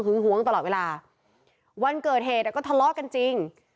หวงตลอดเวลาวันเกิดเหตุอ่ะก็ทะเลาะกันจริง